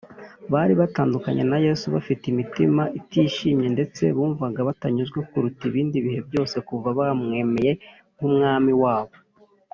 ” bari batandukanye na yesu bafite imitima itishimye, ndetse bumvaga batanyuzwe kuruta ibindi bihe byose kuva bamwemeye nk’umwami wabo